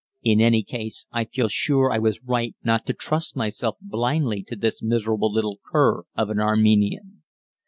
In any case I feel sure I was right not to trust myself blindly to this miserable little cur of an Armenian.